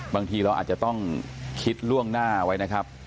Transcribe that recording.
บางทีเราอาจจะต้องคิดล่วงหน้าไว้นะครับ